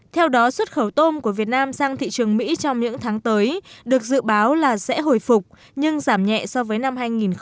theo đó xuất khẩu tôm của việt nam sang thị trường mỹ trong những tháng tới được dự báo là sẽ hồi phục nhưng giảm nhẹ so với năm hai nghìn một mươi tám